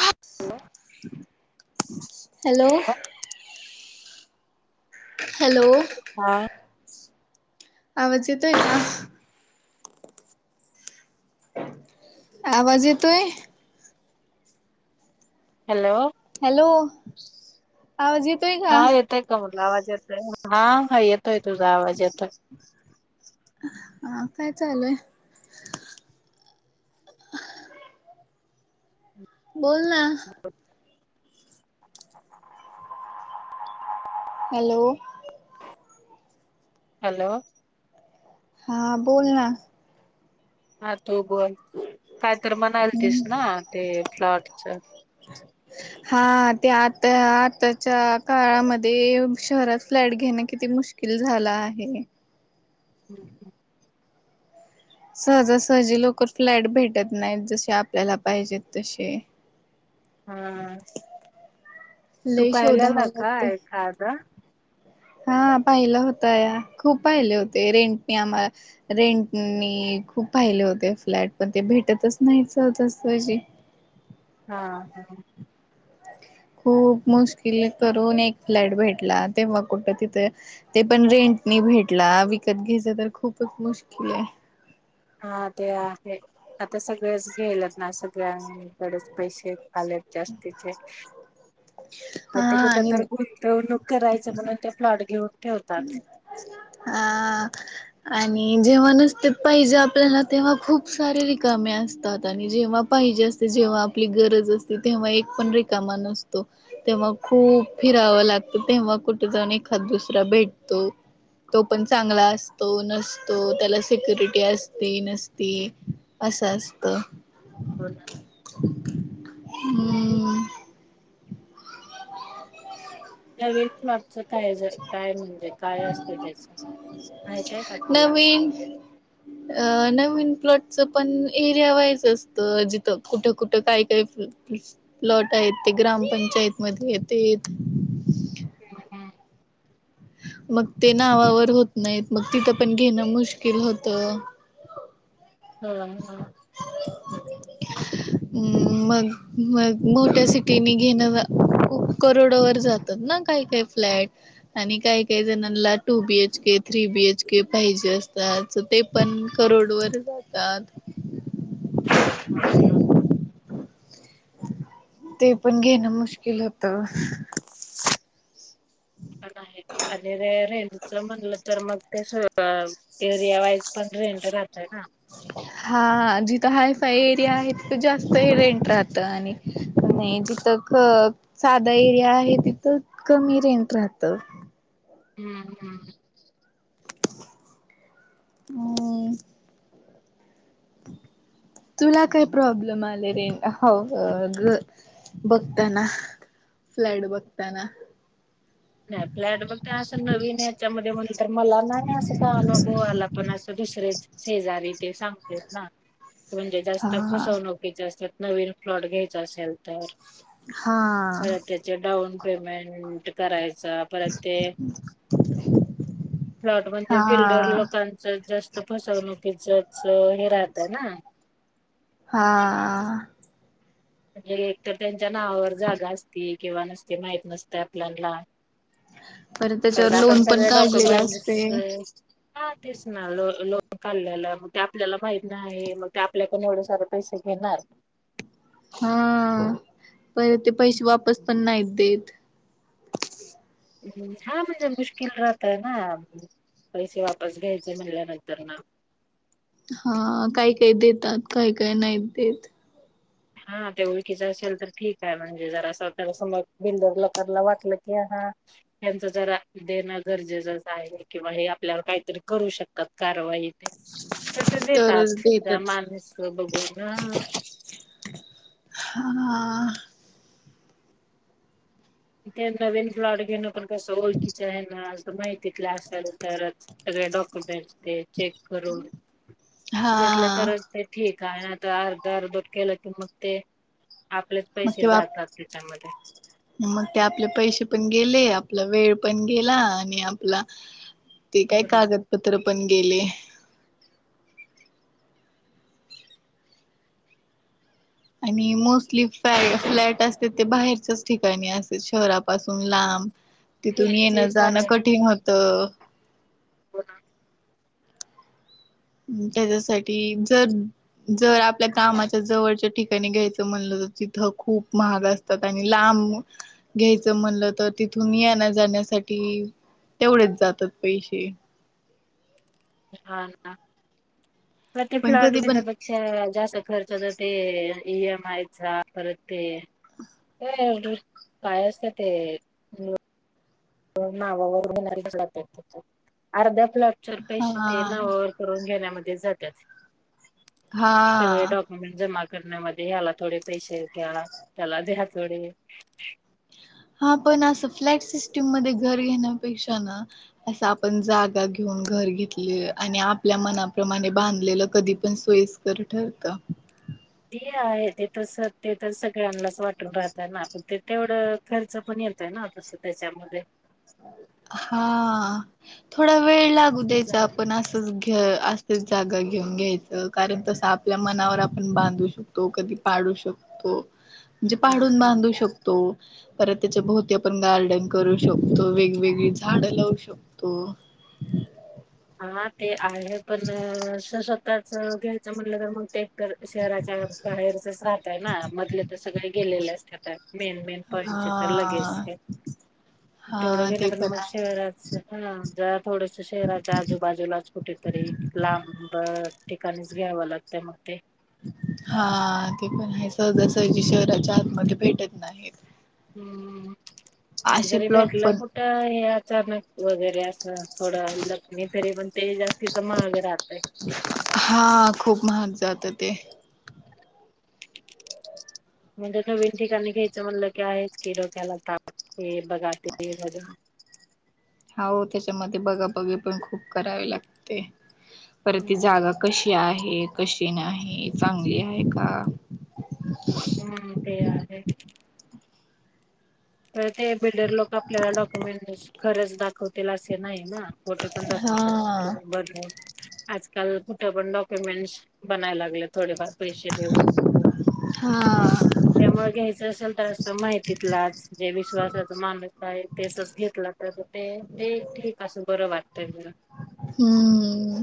आह, hello! Hello? हां. आवाज येतोय का? आवाज येतोय? हॅलो? हॅलो? आवाज येतोय का? हा येतोय का आवाज येतोय? हां हां येतोय तुझा आवाज येतोय. हां काय चालूय? [inaudible] बोल ना? हॅलो? हॅलो? हां बोल ना. [unintelligible] तू बोल काय तर म्हणालतीस ना? ते प्लॉट अच्छा. हां ते आता आताच्या काळामध्ये शहरात फ्लॅट घेणं किती मुश्किल झालं आहे. हम्म हम्म. सहजासहजी लवकर फ्लॅट भेटत नाहीत जसे आपल्याला पाहिजेत तसे. हां. तू लई शोधाव पाहिलेलं का एखादा? हां पाहिला होता या खूप पाहिले होते रेंटनी आम्हा रेंटनी खूप पाहिले होते फ्लॅट पण ते भेटतच नाहीत सहजासहजी. हां हां. खूप मुश्किल करून एक फ्लॅट भेटला तेव्हा कुठं तिथे ते पण रेंटनी भेटला विकत घ्यायचं तर खूपच मुश्किल आहे. हां ते आहे आता सगळेच घ्यायलेत ना सगळ्यांकडेच पैसे आहेत. आलेत जास्तीचे मग हा ते कुठंतर आणि गुंतवणूक करायचं म्हणून ते फ्लॅट घेऊन ठेवतात हां आणि जेव्हा नसते पाहिजे आपल्याला तेव्हा खूप सारे रिकामे असतात. आणि जेव्हा पाहिजे असते जेव्हा आपली गरज असते तेव्हा एक पण रिकामा नसतो. ते मग खूप फिरावं लाग त तेव्हा कुठे जाऊन एखाद दुस रा भेटतो. तो पण चांगला असतो, नसतो त्याला सिक्युरिटी असते, नसती असं असतं. हो ना. हम्म. [unintelligible] [inaudible] च काय जर काय म्हणजे काय असतं त्याचं माहितेय का तुला? नवीन अ नवीन प्लॉटचं पण एरिया वाईज असतं जिथं कुठं कुठं काही काही प्लॉट आहेत ते ग्रामपंचायतमध्ये येतेत. मग ते नावावर होत नाहीत मग तिथं पण घेणं मुश्किल होतं. हो हां. मग मग मोठ्या सिटीने घेणं खुप करोडवर जातात ना, काही काही फ्लॅट आणि काही काही जणांला टू बीएच के थ्री बीएच के पाहिजे असतात, ते पण करोडवरचं जा तात. [unintelligible] ते पण घेणं मुश्किल होतं. पण आहे आणि रे- रेंजच म्हणलं तर, मग ते एरिया वाईज पण रेंट राहतय ना. हा हा जिथं हायफाय एरिया आहे, तिथ जास्त रेंट राहत आणि हम्म नाही जीतं क साधा एरिया आहे, तिथं कमी रेंट राहत. ह ह. हम. तुला काही प्रॉब्लेम आले रे, अ ह -घर बघताना फ्लॅट बघताना? नाही फ्लॅट बघ असं नवीन याच्यामध्ये म्हणल तर, मला नाही असं का अनुभव आला पण असे दुसरेच शेजारी ते सांगतेत ना. म्हणजे हा जास्त फसवणुकीचं असतेत. नवीन फ्लॉट घ्यायचा, असेल तर हा खर त्याचे डाउन पेमेंट करायचं? परत ते प्लॉट हा म्हणजे, बिल्डर लोकांच जास्त फसवणुकीचचं हे राहतं ना? हा. म्हणजे एक तर त्यांच्या नावावर जागा असती, किंवा नसती माहित नसतयं आपल्याला. बरं त्याच्यावर परत आपण लोन पण सगळे काढलेलं डॉक्युमेंट्स असतयं. हा तेच ना ल लोन काढलेल, मग ते आपल्याला माहित नाही, हाय मग ते आपल्या कडनं एवढे सारे पैसे घेणार. हा परत ते पैसे वापस पण नाहीत देत. हा म्हणजे मुश्किल राहतय ना, पैसे वापस घ्यायचे म्हणल्या नंतर न हा काही काही देतात, काही काय नाही देत. हा ते ओळखीच असेल तर ठीक आहे, म्हणजे जर असं त्या समोर बिल्डर लोकांनला वाटलं की, हा त्यांच जरा देणं गरजेचं आहे किंवा हे आपल्यावर काहीतरी करू शकतात कारवाई. तर ते तरच देतात जरा देतात. माणूस बघून हा आ. म ते नवीन फ्लोट घेणं आपण कसं ओळखीचे आहे ना? माहिती तल असेल तरचं सगळे डॉक्युमेंट्स तेन चेक करून घेतलं हा तरच ते ठीक. काय आता अर्ध अर्धट केल की, मग ते आपलेच मग पैसे ते बाप जातात, तेच्या मध्ये. मग ते आपले पैसे पण गेले, आपला वेळ पण गेला आणि आपला ते हो काय ना कागदपत्र पण गेले. आणि मोस्टली फॅ -फ्लॅट असते, ते बाहेरच्याच ठिकाणी असते शहरा पासून लांब. ते तिथून जे येणं-जाणं कठीण होत. तर. हो ना. त्याच्यासाठी जर-जर आपल्या कामाच्या जवळच्या ठिकाणी घ्यायचं म्हणलं तर तिथं खूप महाग असतात. आणि लांब घ्यायचं म्हणलं तर तिथून येन्या-जाण्यासाठी तेवढेच जातात पैसे. हा. हा. पण ते फ्लॅट कधी पण घेण्यापेक्षा जास्त अस खर्च. ते ई एम आयचा परत ते काय असत ते [unintelligible] अर्धा आपलॉचर पैसे ते हा ना ववर करून घेण्यामध्ये जात [unintelligible] [inaudible] सगळे हा डॉक्युमेंट्स जमा करण्यामध्ये या्याला थोडे पैसे घ्याला त्यालाच ह्या थोडे हा पण असं फ्लॅट सिस्टीम मध्ये घर घेण्यापेक्षा ना अस आपण जागा घेऊन घर घेतले आणि आपल्या मनाप्रमाणे बांधलेलं कधी पण सोयीस्कर ठरत ते आहे ते तस ते तर सगळ्यांनाच वाटून राहतय नाण ते तेवढं खर्च पण येतोय ना तसं त्याच्यामध्ये हा थोडा वेळ लागू द्यायचा आपण असंच घे असं जागा घेऊन घ्यायचं कारण तसं आपल्या मनावर आपण बांधू शकतो कधी पाडू शकतो म्हणजे पाडून बांधू शकतो परत त्याच्या भोवती आपण गार्डन करू शकतो तो वेगवेगळी झाडं लावू शकतो [inaudible] हा ते आहे पण स्वतःच घ्यायचं म्हणलं तर मग ते तर शहराच्या बाहेरचच राहतय ना मधले तर सगळे गेलेलेच राहतात मेन मेन पॉईंटचे तर लगेज हा. हे [inaudible] तेवढ हा गे ते पण मग आहे शहराच हा ज थोडस शहरा च्या आजूबाजूला कुठेतरी लांबबर ठिकाणीच घ्यावं लागत मग ते हा ते पण आहे सहजासहजी शहराच्या आतमध्ये भेटत नाहीत हम् का असे जरी प्लॉट भेटलं पण कुठं हे आ अचानक वगैरे असं थोडं लखमी तरी पण तेज अस [inaudible] हा खूप महाग जातात ते [inaudible] म्हणजे नवीन ठिकाणी घ्यायचं म्हणलं क आहे किडोक्याला ताकते बघात वज [inaudible] अहो त्याच्यामध्ये बघा बवी पण खूप करावी लागते. पर त हम्म जागा कशी आहेत [inaudible] कशी नाही चांगली आहे का. हम्म ते आहे. परत ते बिल्डर लोक आपल्याला डॉक्युमेंट दिस खरच दाखवतील असे नाही ना. खोटे पण दाखवु हा. शात किंवा बदलवू. आजकाल कुठे पण डॉक्युमेंट्स बनाय लागले थोडेफार. पैसे देऊ हा त्यामुळे घ्यायच असेल तर. माहितीतलाच. जे विश्वासाच मानुस आहे. तसंच घेतला तर ते ठीक आहे. असं बरं वाटतंय जरा. हम्म.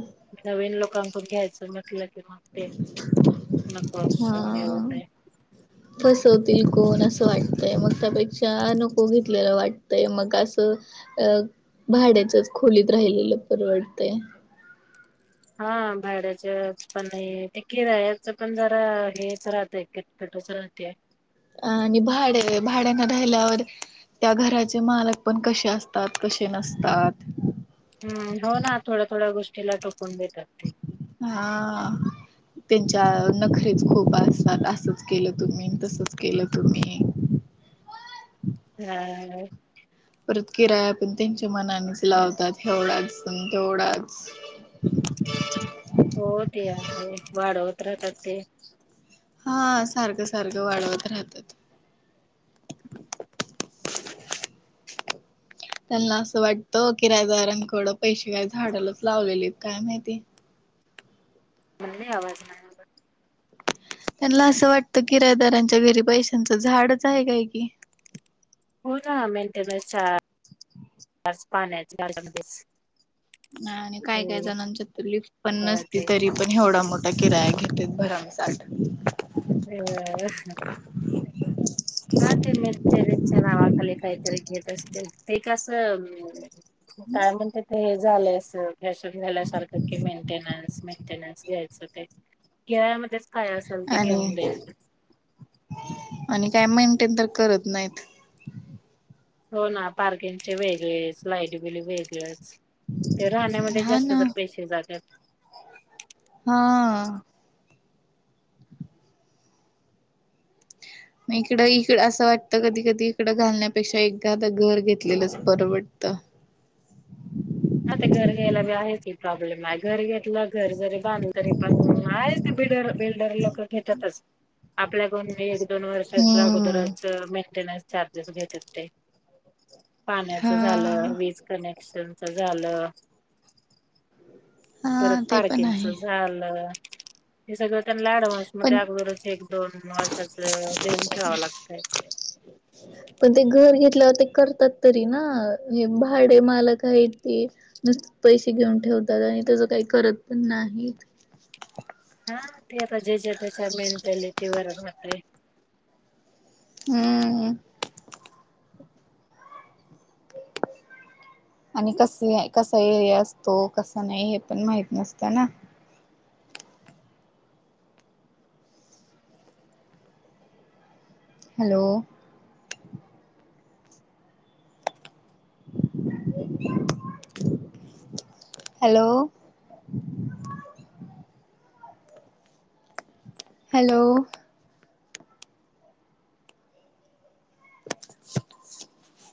आपण पण घ्यायचं म्हटलं. मग ते नको अस हा. होतेय. फसवतील कोण असं वाटतय. मग त्यापेक्षा नको घेतलेलं वाटतय मग असं अ भाड्याचच खोलीत राहिलेलं परवडतय. हा भाड्याच्या पण ते किरायाच पण जरा हेच राहतय किटकिटच राहतेय. आणि भाडे भाड्याने राहिल्यावर त्या घराचे मालक पण कसे असतात. कसे नसतात. हम. हो ना थोड्या-थोड्या गोष्टीला टोकून देत. हा आ त्यांची. आ नखरेच खोप असतात. असंच केलं तुम्ही. तसच केलं तुम्ही. हा. परत किराया पण त्यांच्या मनानेच लावतात. एवढाच-तेवढाच. हो ते आहे वाढवत राहतात ते. हा सारखं सारखं वाढवत राहतात. [inaudible] [inaudible] त्यांना असं वाटतं किरायदारांन कड पैसे बाई झाडालाच लावलेलेत काय माहिती. [inaudible] मला नाही आवाज [unintelligible] नंबर, त्यांना असं वाटतं किरायदारांच्या घरी पैशांचं झाडच आहे काय कि [inaudible] हो ना मेंटेनन्स चार्ज [inaudible] पाण्याचा चार्ज आहेच. [inaudible] [inaudible] नाय आणि काय काय जणांच्या तर लीफट पण का नसती ते तरी पण एवढा मग, त्या किराया घेतेत भरमसाठ - [unintelligible] [inaudible] हा ते मेन्टेनन्सच्या नावाखाली काहीतरी घेत असतील, ते कस हम्म [inaudible] [inaudible] काय म्हणते ते झा लय अस [unintelligible] झाल्यासारखं की मेंटेन्स मेंटेन्स घ्याच [inaudible] खेळा मध्येच [inaudible] आणि [inaudible] आणि काय म्ह ते तर करत नाहित, [inaudible] [inaudible] हो ना पार्किंगचे वेगळेच लाईट बिल वेगळच, [inaudible] ते राहण्यामध्ये हा जास्त ना जर पैसे जात्यात. हा. म इकडं-इकड असं वाटतं कधी-कधी इकडं घालण्यापेक्षा एकदा घर घेतलेलंच परवडत! हा ते घर घ्यायला बी आहे. ते प्रोब्लेम. आहे घर घेतल. घर जरी बांधल. तरी पण आहे बड बिल्डर लोक घेतातच आपल्याकडून! दोन वर्षाचा हम्म. अगोदरच मेंटेनन्स! चार्जेस घेत्यात काय पाण्याच हा झालं वीज कनेक्ट! [unintelligible] झालं. परत हा ते पण पार्किंगच आहे झालं. हे सगळता मला अँडव्हान्स मध्ये पण अगदोरच एक दोन वर्षाच लिहून ठेवावं लागतय. पण ते घर घेतल्यावर ते करतात तरी ना हे भाडे मालक आहेत ते नुसत पैसे घेऊन ठेवतात आणि त्याच काही करत पण नाहीत. हा ते आता जे -जे त्याच्या मेंटॅलिटी वरच होत आहे. हम्म. आणि कस कसा एरिया असतो कसा नाही हे पण माहित नसत ना. हॅलो. हॅलो. हॅलो. [inaudible]